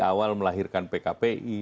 awal melahirkan pkpi